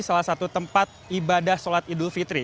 selamat malam fitri